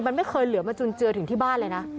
มันไม่เคยเหลือมาจุนเจือถึงที่บ้านเลยนะ